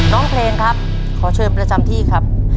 เพลงครับขอเชิญประจำที่ครับ